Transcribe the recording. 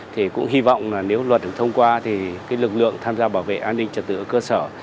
thì cũng hy vọng là nếu luật được thông qua thì lực lượng tham gia bảo vệ an ninh trật tự ở cơ sở